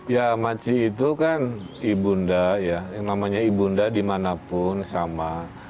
ya makci itu kan ibunda ya yang namanya ibunda dimanapun sama